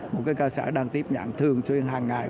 một cơ sở đang tiếp nhận thường xuyên hàng ngày